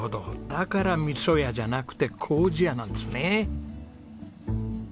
だから味噌屋じゃなくて糀屋なんですね。